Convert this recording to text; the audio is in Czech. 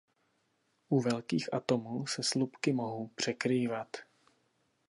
U velkých atomů se slupky mohou překrývat.